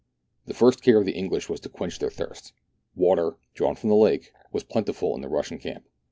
The first care of the English was to quench their thirst. Water, drawn from the lake, was plentiful in the Russian camp.